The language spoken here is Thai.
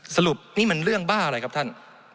สรุปนี่มันเรื่องบ้าอะไรครับท่าน